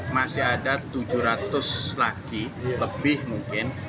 masih ada tujuh ratus lagi lebih mungkin